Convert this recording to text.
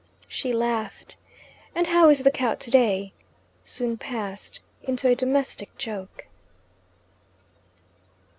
She laughed, and "how is the cow today?" soon passed into a domestic joke.